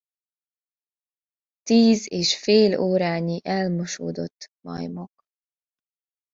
Tíz és fél órányi elmosódott majmok.